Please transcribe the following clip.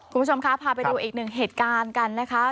คุณผู้ชมคะพาไปดูอีกหนึ่งเหตุการณ์กันนะคะ